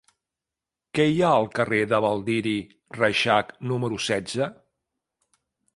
Què hi ha al carrer de Baldiri Reixac número setze?